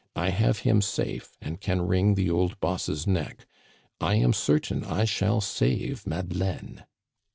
I have him safe, and can ring the old boss' neck. I am certain I shall save Madeleine."